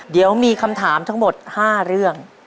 เดี๋ยวมีคำถามทั้งหมด๕เรื่อง